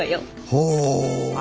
ほう。